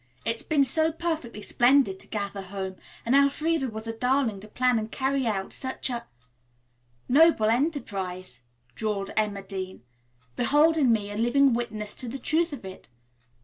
"It's been so perfectly splendid to gather home, and Elfreda was a darling to plan and carry out such a " "Noble enterprise," drawled Emma Dean. "Behold in me a living witness to the truth of it.